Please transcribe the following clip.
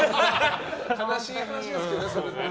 悲しい話ですけどね、それ。